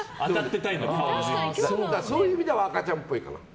そういう意味では赤ちゃんっぽい。